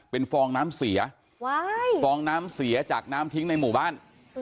เป็นฟองน้ำเสียฟองน้ำเสียจากน้ำทิ้งในหมู่บ้าน